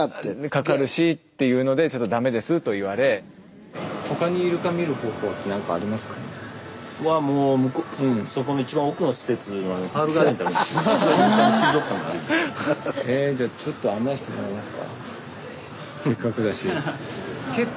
かかるしっていうのでちょっとダメですと言われ。はもうそこの一番へえじゃあちょっと案内してもらいますかせっかくだし。